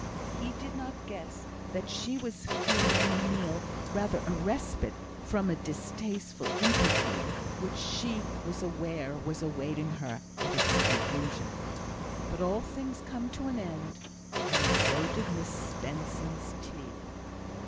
He did not guess that she was feeling the meal rather a respite from a distasteful interview, which she was aware was awaiting her at its conclusion. But all things come to an end, and so did Miss Benson's tea.